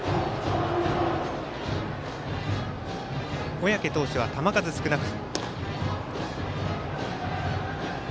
小宅投手は球数少なく。